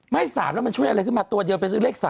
๓แล้วมันช่วยอะไรขึ้นมาตัวเดียวไปซื้อเลข๓